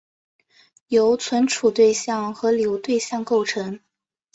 由存储对象和流对象构成。